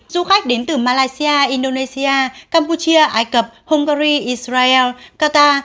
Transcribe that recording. du khách đến từ malaysia indonesia campuchia ai cập hungary israel qatar